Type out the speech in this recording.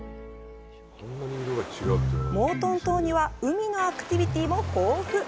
モートン島には海のアクティビティも豊富！